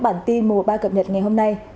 bản tin mùa ba cập nhật ngày hôm nay